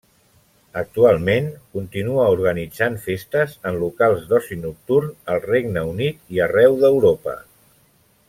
Actualment, continua organitzant festes en locals d'oci nocturn al Regne Unit i arreu d'Europa.